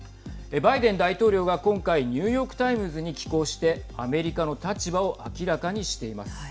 バイデン大統領が今回ニューヨーク・タイムズに寄稿してアメリカの立場を明らかにしています。